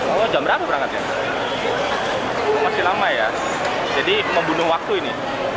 mau jam berapa berangkatnya masih lama ya jadi membunuh waktu ini